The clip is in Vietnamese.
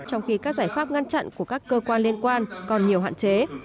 trong khi các giải pháp ngăn chặn của các cơ quan liên quan còn nhiều hạn chế